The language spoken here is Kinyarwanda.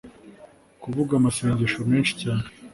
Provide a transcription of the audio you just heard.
kuvuga amasengesho menshi cyane.